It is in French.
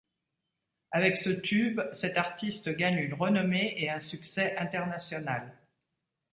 Avec ce tube, cet artiste gagne une renommée et un succès international.